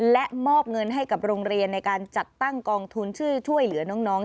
และมอบเงินให้กับโรงเรียนในการจัดตั้งกองทุนช่วยเหลือน้อง